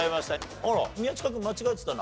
あら宮近君間違えてたな。